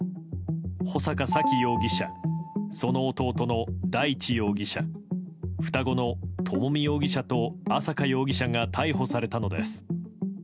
穂坂沙喜容疑者その弟の大地容疑者双子の朝美容疑者と朝華容疑者が逮捕されたのです。